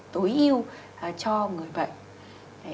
tối ưu cho người bệnh